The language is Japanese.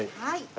はい。